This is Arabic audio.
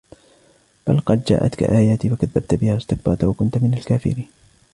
بلى قد جاءتك آياتي فكذبت بها واستكبرت وكنت من الكافرين